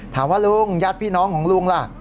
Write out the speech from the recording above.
ถามว่าลุงญาติพี่น้องของลุงล่ะ